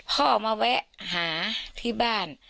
พ่อมาแวะหาที่บ้าน